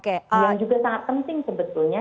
yang juga sangat penting sebetulnya